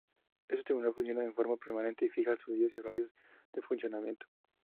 Este tribunal funciona en forma permanente y fija sus días y horarios de funcionamiento.